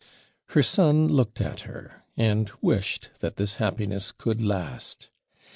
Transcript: Her son looked at her, and wished that this happiness could last.